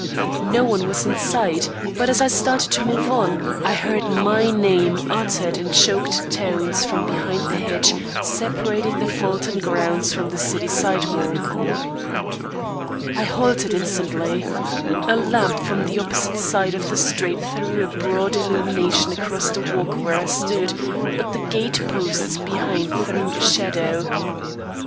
No one was in sight; but as I started to move on, I heard my name uttered in choked tones from behind the hedge separating the Fulton grounds from the city sidewalk. I halted instantly. A lamp from the opposite side of the street threw a broad illumination across the walk where I stood, but the gate posts behind threw a shadow.